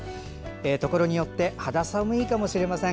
ところによって肌寒いかもしれません。